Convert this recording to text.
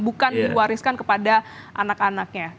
bukan diwariskan kepada anak anaknya